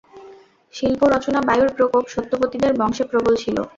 শিল্পরচনাবায়ুর প্রকোপ সত্যবতীদের বংশে প্রবল ছিল।